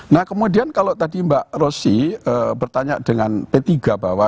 nah kemudian kalau tadi mbak rosy bertanya dengan p tiga bahwa